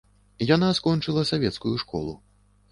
Яна скончыла савецкую школу.